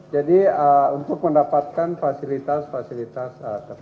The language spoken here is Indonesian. jadi untuk mendapatkan fasilitas fasilitas